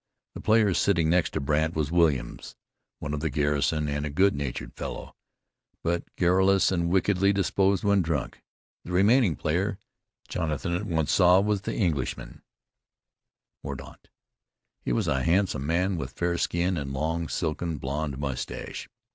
The player sitting next to Brandt was Williams, one of the garrison, and a good natured fellow, but garrulous and wickedly disposed when drunk. The remaining player Jonathan at once saw was the Englishman, Mordaunt. He was a handsome man, with fair skin, and long, silken, blond mustache.